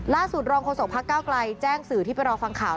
ล่าสุดรองโคนสกภักด์ก้าวไกลแจ้งสื่อที่ไปรอฟังข่าว